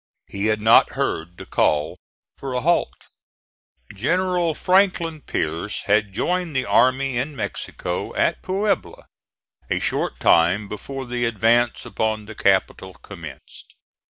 He had not heard the call for a halt. General Franklin Pierce had joined the army in Mexico, at Puebla, a short time before the advance upon the capital commenced.